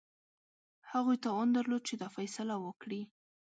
هغوی توان درلود چې دا فیصله وکړي.